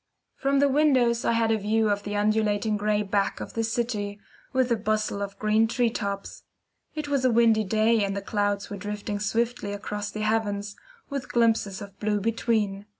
From the windows I had a view of the undulating gray back of the city, with the bustle of green tree tops. It was a windy day, and the clouds were drifting swiftly across the heavens, with glimpses of blue between.